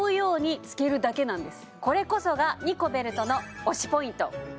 これこそがニコベルトの推しＰｏｉｎｔ！